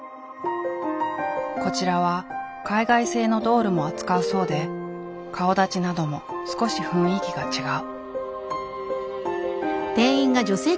こちらは海外製のドールも扱うそうで顔だちなども少し雰囲気が違う。